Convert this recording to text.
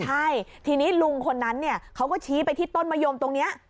ใช่ทีนี้ลุงคนนั้นเนี่ยเขาก็ชี้ไปที่ต้นมะยมตรงนี้